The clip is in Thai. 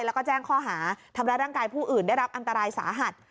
แล้วก็แจ้งข้อหาทำร้ายร่างกายผู้อื่นได้รับอันตรายสาหัส